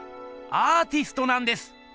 アーティストなんです！